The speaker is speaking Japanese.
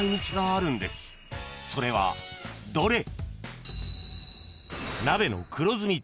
［それはどれ？］